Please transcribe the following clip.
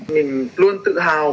mình luôn tự hào